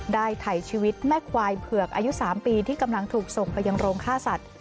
ไถ่ชีวิตแม่ควายเผือกอายุ๓ปีที่กำลังถูกส่งไปยังโรงฆ่าสัตว์